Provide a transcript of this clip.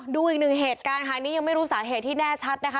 ดูอีกหนึ่งเหตุการณ์ค่ะนี่ยังไม่รู้สาเหตุที่แน่ชัดนะคะ